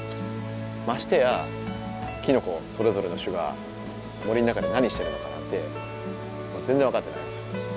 ましてやきのこそれぞれの種が森の中で何してるのかなんて全然分かってないですよ。